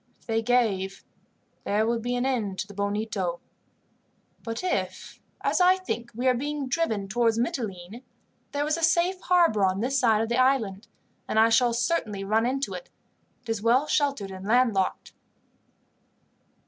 If they gave, there would be an end to the Bonito. But if, as I think, we are driving towards Mitylene, there is a safe harbour on this side of the island, and I shall certainly run into it. It is well sheltered and landlocked."